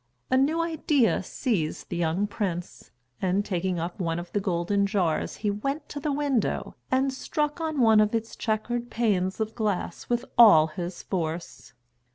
A new idea seized the young prince, and taking up one of the golden jars he went to the window and struck on one of its chequered panes of glass with all his force.